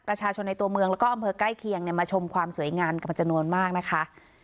ประชาชนในตัวเมืองแล้วก็อำเภอใกล้เคียงมาชมความสวยงามกันเป็นจำนวนมากนะคะ